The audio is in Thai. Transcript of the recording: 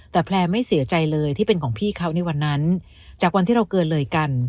แต่แพลร์ไม่เสียใจเลยที่เป็นของพี่เขาในวันนั้นจากวันที่เราเกินเลยกัน